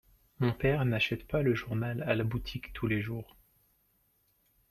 Mon père n'achète pas le journal à la boutique tous les jours.